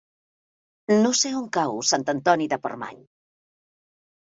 No sé on cau Sant Antoni de Portmany.